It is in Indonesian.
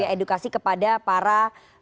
edukasi kepada para